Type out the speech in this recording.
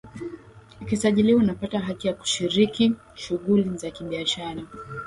ukisajiliwa unapata haki ya kushiriki shughuli za kibiashara